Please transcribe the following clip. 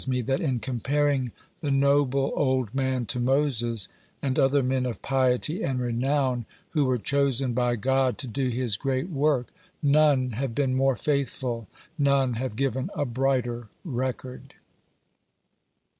iae that in joraparing the noble old man to Moses, and other men of piety and renown, who were chosen by God to his grert work, □one have been more faithful, none have given a brighter record.